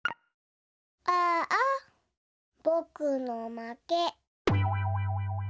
ああぼくのまけ。